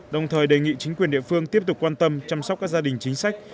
đồng thời đề nghị chính quyền địa phương tiếp tục quan tâm chăm sóc các gia đình chính sách